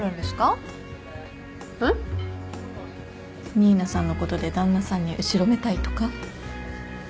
新名さんのことで旦那さんに後ろめたいとか？